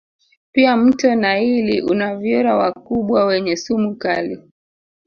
Pia mto naili una vyura wakubwa wenye sumu kali